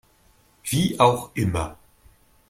Wie auch immer.